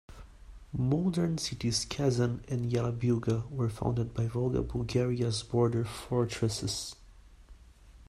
Modern cities Kazan and Yelabuga were founded as Volga Bulgaria's border fortresses.